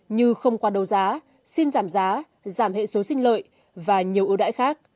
như không qua đầu giá xin giảm giá giảm hệ số xin lợi và nhiều ưu đãi khác